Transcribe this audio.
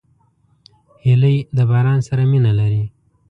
هیلۍ د باران سره مینه لري